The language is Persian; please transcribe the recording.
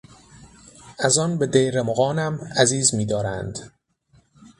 از آن به دیر مغانم عزیز میدارند...